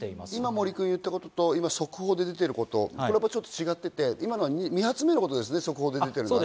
森君が言ったことと速報が出てることとちょっと違ってて、今のは２発目のことですね、速報は。